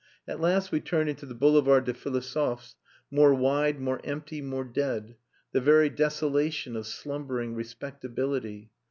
At last we turned into the Boulevard des Philosophes, more wide, more empty, more dead the very desolation of slumbering respectability.